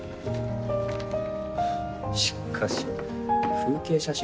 しかし風景写真ばっか。